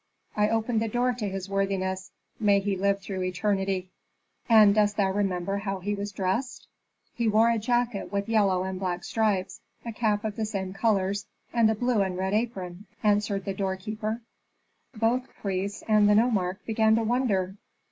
"I opened the door to his worthiness, may he live through eternity!" "And dost thou remember how he was dressed?" "He wore a jacket with yellow and black stripes, a cap of the same colors, and a blue and red apron," answered the doorkeeper. Both priests and the nomarch began to wonder.